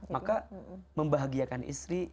maka membahagiakan istri